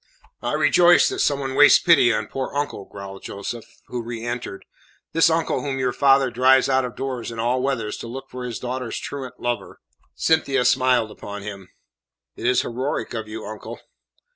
"I rejoice that someone wastes pity on poor uncle," growled Joseph, who re entered, "this uncle whom your father drives out of doors in all weathers to look for his daughter's truant lover." Cynthia smiled upon him. "It is heroic of you, uncle."